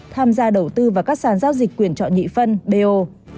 tham gia đầu tư vào các sàn giao dịch quyền chọn nhị phân bo